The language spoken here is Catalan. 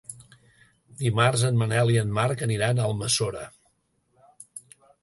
Dimarts en Manel i en Marc aniran a Almassora.